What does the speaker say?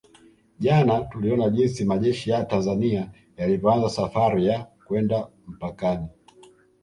Jana tuliona jinsi majeshi ya Tanzania yalivyoanza safari ya kwenda mpakani